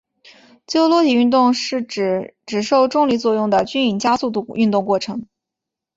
自由落体运动是指只受重力作用的均匀加速度运动过程。